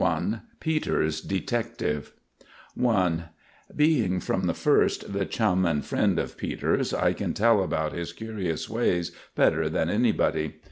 I* *PETERS, DETECTIVE* *I* Being from the first the chum and friend of Peters, I can tell about his curious ways better than anybody.